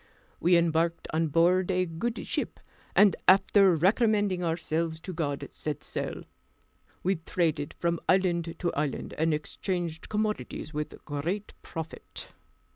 We embarked on board a good ship, and, after recommending ourselves to God, set sail. We traded from island to island, and exchanged commodities with great profit.